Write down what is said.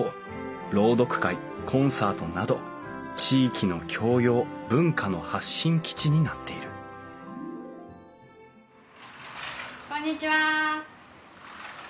朗読会コンサートなど地域の教養文化の発信基地になっているこんにちは！